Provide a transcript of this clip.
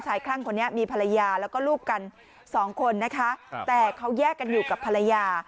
คลั่งคนนี้มีภรรยาแล้วก็ลูกกันสองคนนะคะแต่เขาแยกกันอยู่กับภรรยา